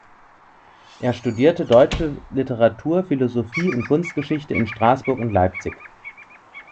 Er studierte deutsche Literatur, Philosophie und Kunstgeschichte in Straßburg und Leipzig.